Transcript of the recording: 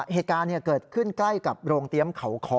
เหตุการณ์เกิดขึ้นใกล้กับโรงเตรียมเขาคอ